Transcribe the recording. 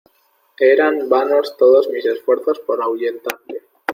eran vanos todos mis esfuerzos por ahuyentarle: